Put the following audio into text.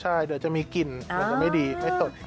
ใช่เดี๋ยวจะมีกลิ่นและมันไม่ดี